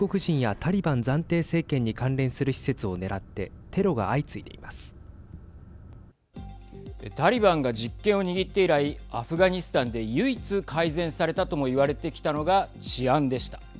タリバンが実権を握って以来アフガニスタンで唯一改善されたとも言われてきたのが治安でした。